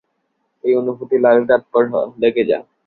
এই অনুভূতিলাভে তৎপর হ, লেগে যা।